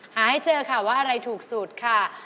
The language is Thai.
หาให้เจอค่ะว่าอะไรถูกสุดค่ะ